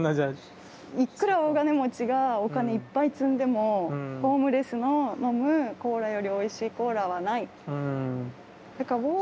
いくら大金持ちがお金いっぱい積んでもホームレスの飲むコーラよりおいしいコーラはない。